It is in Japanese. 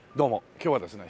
今日はですね